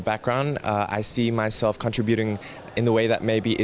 aku melihat diriku berkontribusi dalam cara yang mungkin